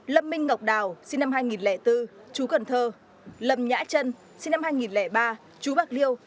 lâm minh ngọc đào sinh năm hai nghìn bốn chú cần thơ lâm nhã trân sinh năm hai nghìn ba chú bạc liêu